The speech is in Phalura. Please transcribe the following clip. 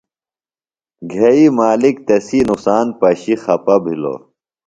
گھئی مالِک تسی نقصان پشیۡ خپہ بِھلوۡ۔